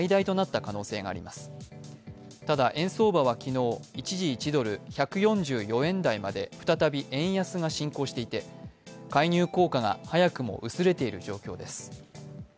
ただ、円相場は昨日、一時１ドル＝１４４円台まで再び円安が進行していて、介入効果が早くも薄れている状況です。